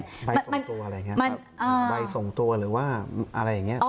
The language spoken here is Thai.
ใช่ครับผมใบส่งตัวอะไรอย่างนี้